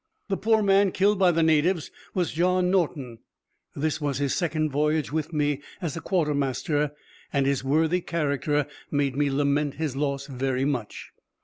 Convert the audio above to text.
The poor man killed by the natives was John Norton: this was his second voyage with me as a quarter master, and his worthy character made me lament his loss very much.